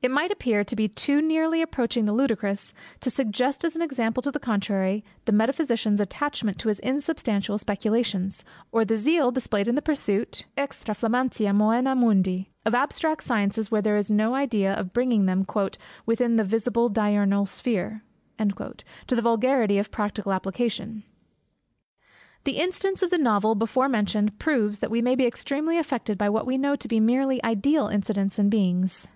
It might appear to be too nearly approaching to the ludicrous, to suggest as an example to the contrary, the metaphysician's attachment to his insubstantial speculations, or the zeal displayed in the pursuit, Extra flammantia moenia mundi, of abstract sciences, where there is no idea of bringing them "within the visible diurnal sphere" to the vulgarity of practical application. The instance of the novel before mentioned, proves, that we may be extremely affected by what we know to be merely ideal incidents and beings.